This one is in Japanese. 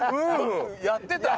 やってた？